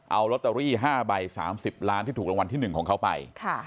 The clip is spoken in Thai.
เอาลอตเตอรี่๕ใบ๓๐ล้านที่ถูกรางวัลที่๑ของเขาไป